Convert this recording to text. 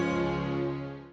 terima kasih adil